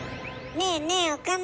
ねえねえ岡村。